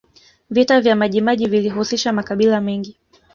vita vya majimaji vilihusisha makabila mengi